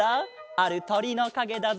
あるとりのかげだぞ。